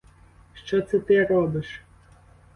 Що це ти робиш?